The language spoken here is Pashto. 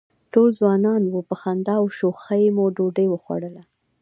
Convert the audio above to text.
ټول ځوانان وو، په خندا او شوخۍ مو ډوډۍ وخوړله.